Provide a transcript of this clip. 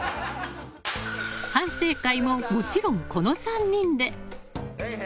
反省会ももちろん、この３人で。